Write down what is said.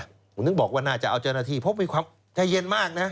ผมถึงบอกว่าน่าจะเอาเจ้าหน้าที่เพราะมีความใจเย็นมากนะ